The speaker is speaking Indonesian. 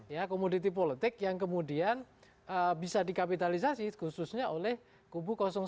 ya komoditi politik yang kemudian bisa dikapitalisasi khususnya oleh kubu satu